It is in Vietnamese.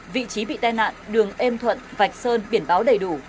vị trí bị tai nạn đường êm thuận vạch sơn biển báo đầy đủ